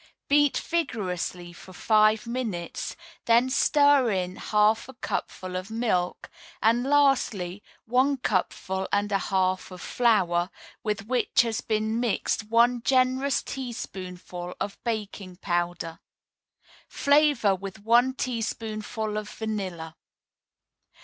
Beat vigorously for five minutes; then stir in half a cupful of milk, and lastly, one cupful and a half of flour, with which has been mixed one generous teaspoonful of baking powder. Flavor with one teaspoonful of vanilla.